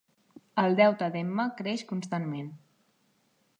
El deute d'Emma creix constantment.